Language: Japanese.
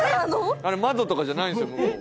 あれ窓とかじゃないんですよ